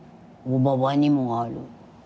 おばばにもある。